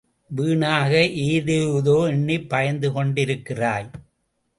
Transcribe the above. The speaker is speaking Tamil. வீணாக ஏதேதோ எண்ணிப் பயந்து கொண்டிருக்கிறாய்.